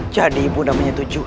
jadi bunda menyetujui